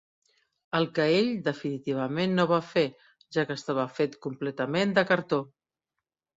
El que ell definitivament no va fer, ja que estava fet completament de cartó.